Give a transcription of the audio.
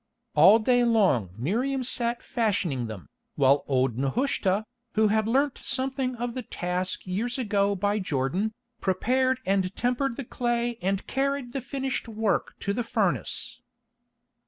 All day long Miriam sat fashioning them, while old Nehushta, who had learnt something of the task years ago by Jordan, prepared and tempered the clay and carried the finished work to the furnace.